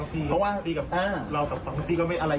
เพราะว่าพี่กับเราพี่กับอะไรนะ